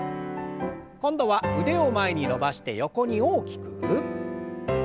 今度は腕を前に伸ばして横に大きく。